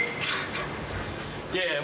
いやいや。